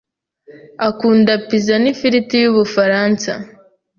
akunda pizza nifiriti yubufaransa.